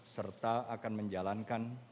serta akan menjalankan